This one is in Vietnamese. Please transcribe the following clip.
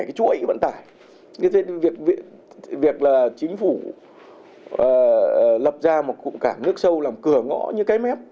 cái chuỗi vận tải như thế việc là chính phủ lập ra một cụm cảng nước sâu làm cửa ngõ như cái mép